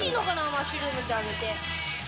マッシュルームって揚げて。